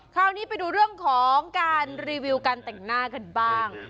คราวนี้ไปดูเรื่องของการรีวิวการแต่งหน้ากันบ้าง